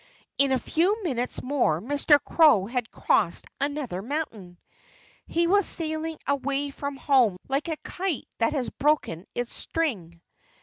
In a few minutes more Mr. Crow had crossed another mountain. He was sailing away from home like a kite that has broken its string.